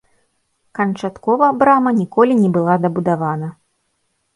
Канчаткова брама ніколі не была дабудавана.